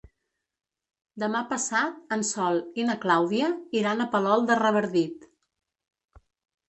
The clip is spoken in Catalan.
Demà passat en Sol i na Clàudia iran a Palol de Revardit.